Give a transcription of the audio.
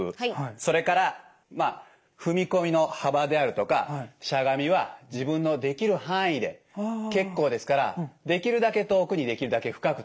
それから踏み込みの幅であるとかしゃがみは自分のできる範囲で結構ですからできるだけ遠くにできるだけ深くと。